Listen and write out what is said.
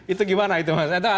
itu gimana itu mas